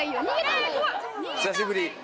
久しぶり。